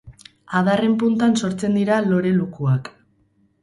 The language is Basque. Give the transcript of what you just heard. Adarren puntan sortzen dira lore-lukuak.